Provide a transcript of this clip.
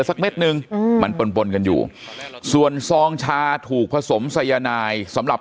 เม็ดนึงมันปนปนกันอยู่ส่วนซองชาถูกผสมสายนายสำหรับ